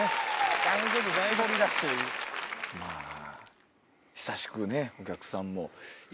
まぁ久しくねお客さんも。